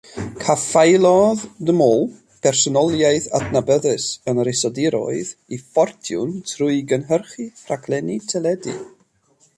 Caffaelodd De Mol, personoliaeth adnabyddus yn yr Iseldiroedd, ei ffortiwn trwy gynhyrchu rhaglenni teledu.